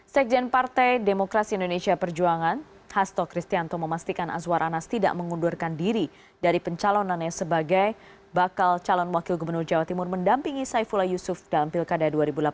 sekjen partai demokrasi indonesia perjuangan hasto kristianto memastikan azwar anas tidak mengundurkan diri dari pencalonannya sebagai bakal calon wakil gubernur jawa timur mendampingi saifullah yusuf dalam pilkada dua ribu delapan belas